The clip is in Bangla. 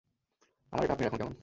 আমার এটা আপনি রাখুন, কেমন?